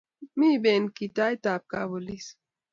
mi benki taitab kapolis